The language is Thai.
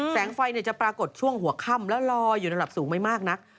แสงไฟจะปรากฏช่วงหัวค่ำแล้วลอยอยู่ระดับสูงไม่มากนัก